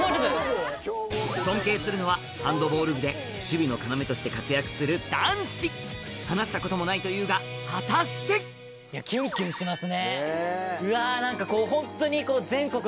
尊敬するのはハンドボール部で守備の要として活躍する男子話したこともないというが果たしてうわ何かホントに。